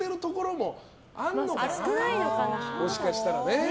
もしかしたらね。